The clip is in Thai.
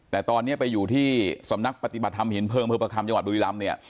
แต่ตอนนี้ไปอยู่ที่สำนักปฏิบัติธรรมหินเพิงพฤพธรรมจังหวัดบุรีรัมน์